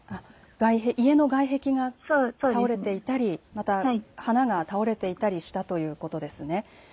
家の外壁が倒れていたりまた花が倒れていたりしたということですね。